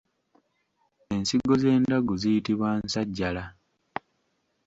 Ensigo z’endaggu ziyitibwa Nsajjalala.